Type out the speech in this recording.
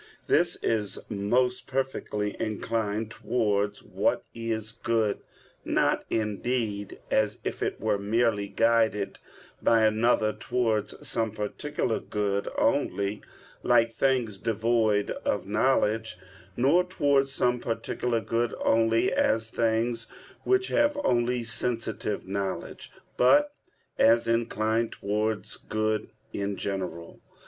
This is most perfectly inclined towards what is good; not, indeed, as if it were merely guided by another towards some particular good only, like things devoid of knowledge, nor towards some particular good only, as things which have only sensitive knowledge, but as inclined towards good in general.